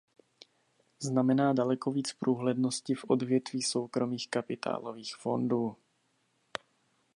Znamená daleko víc průhlednosti v odvětví soukromých kapitálových fondů.